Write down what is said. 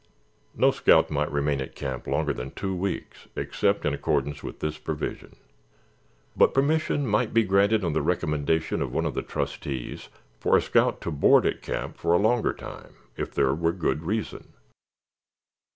No scout might remain at camp longer than two weeks except in accordance with this provision, but permission might be granted on the recommendation of one of the trustees for a scout to board at camp for a longer time if there were good reason.